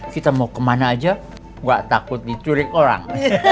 kita mau kemana aja gak takut dicurik orang